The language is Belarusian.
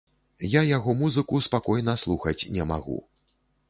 Я яго музыку спакойна слухаць не магу.